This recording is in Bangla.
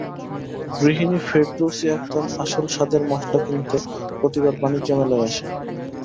গৃহিণী ফেরদৌসী আক্তার আসল স্বাদের মসলা কিনতে প্রতিবার বাণিজ্য মেলায় আসেন।